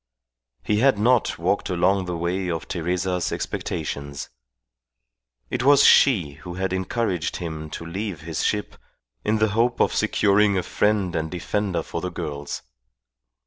He had not walked along the way of Teresa's expectations. It was she who had encouraged him to leave his ship, in the hope of securing a friend and defender for the girls.